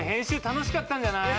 楽しかったんじゃない？